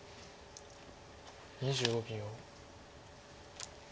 ２５秒。